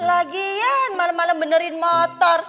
lagi ian malem malem benerin motor